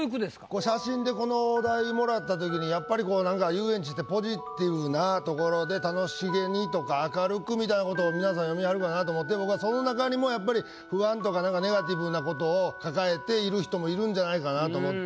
これ写真でこのお題もらった時にやっぱりこうなんか遊園地ってポジティブな所で楽しげにとか明るくみたいなことを皆さん詠みはるかなと思って僕はその中にもやっぱり不安とかなんかネガティブなことをかかえている人もいるんじゃないかなと思って。